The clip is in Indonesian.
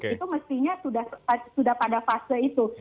itu mestinya sudah pada fase itu